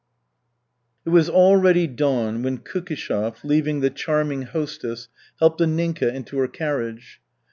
It was already dawn when Kukishev, leaving the charming hostess, helped Anninka into her carriage.